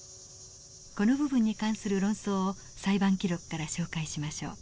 この部分に関する論争を裁判記録から紹介しましょう。